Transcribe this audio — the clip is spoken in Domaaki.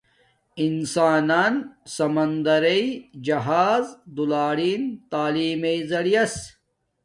انسانن سمندرݵ جہاز دولارین تعلیم اری